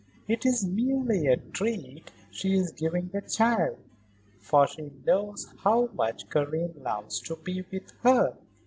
It is merely a treat she is giving the child, for she knows how much Karen loves to be with her.